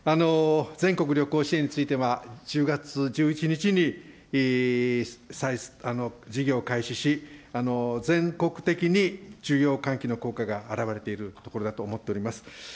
全国旅行支援については、１０月１１日に事業開始し、全国的に需要喚起の効果が表れているところだと思っております。